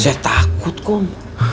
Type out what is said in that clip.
saya takut kom